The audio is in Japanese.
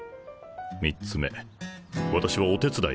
３つ目私はお手伝いではない。